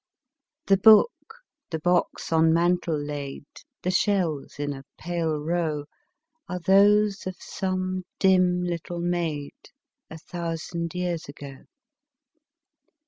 The book, the box on mantel laid, The shells in a pale row, Are those of some dim little maid, A thousand years ago.